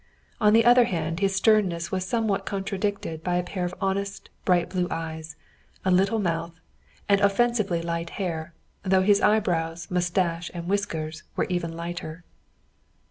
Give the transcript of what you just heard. On the other hand this sternness was somewhat contradicted by a pair of honest, bright blue eyes, a little mouth, and offensively light hair, though his eyebrows, moustache, and whiskers were even lighter.